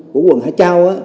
của quận hải châu